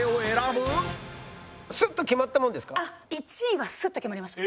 スッと決まったもんですか？